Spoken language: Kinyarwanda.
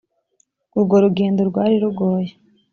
urwo rugendo rwari rugoye